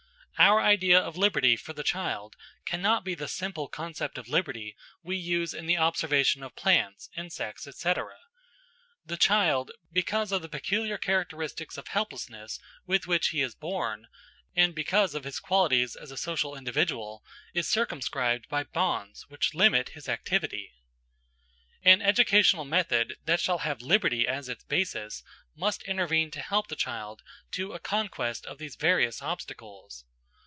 Our idea of liberty for the child cannot be the simple concept of liberty we use in the observation of plants, insects, etc. The child, because of the peculiar characteristics of helplessness with which he is born, and because of his qualities as a social individual is circumscribed by bonds which limit his activity. An educational method that shall have liberty as its basis must intervene to help the child to a conquest of these various obstacles.